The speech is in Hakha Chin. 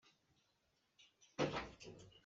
Kan dum chungah pangpar an um lulh ko.